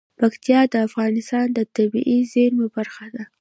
پکتیا د افغانستان د طبیعي زیرمو برخه ده.